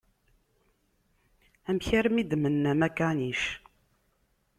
Amek armi i d-tmennam akanic?